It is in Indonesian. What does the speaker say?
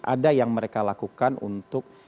ada yang mereka lakukan untuk